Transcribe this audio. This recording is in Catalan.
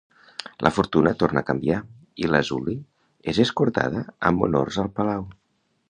La fortuna torna a canviar i Lazuli és escortada amb honors al palau.